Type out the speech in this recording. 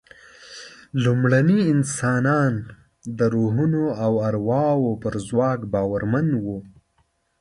لومړني انسانان د روحونو او ارواوو پر ځواک باورمن وو.